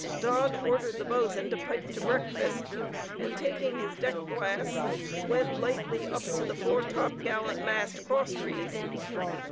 Dodd ordered the boatswain to pipe to breakfast; and taking his deck glass went lightly up to the foretop gallant mast crosstrees.